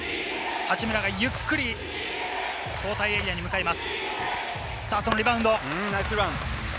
八村がゆっくりと交代エリアに行きます。